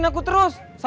lo panggil dah si ojaknya